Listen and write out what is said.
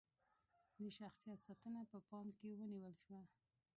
د شخصیت ساتنه په پام کې ونیول شوه.